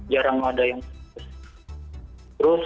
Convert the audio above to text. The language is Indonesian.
jarang ada yang protes